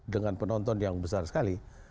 dengan penonton yang besar sekali